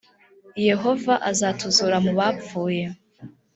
yehova azatuzura mu bapfuye